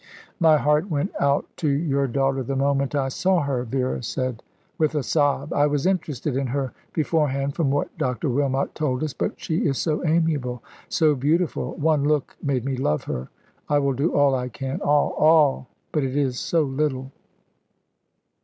"My heart went out to your daughter the moment I saw her," Vera said, with a sob. "I was interested in her beforehand, from what Dr. Wilmot told us but she is so amiable, so beautiful. One look made me love her. I will do all I can all all but it is so little!"